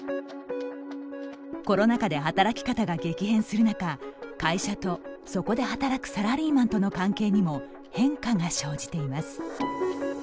コロナ禍で働き方が激変する中会社と、そこで働くサラリーマンとの関係にも変化が生じています。